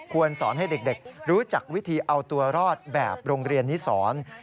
สอนให้เด็กรู้จักวิธีเอาตัวรอดแบบโรงเรียนนิสร